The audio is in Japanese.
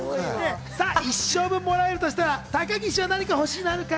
一生分もらえるとしたら高岸は何か欲しいものあるかい？